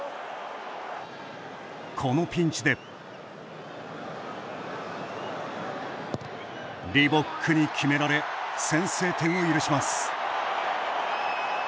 このピンチでリボックに決められ先制点を許します。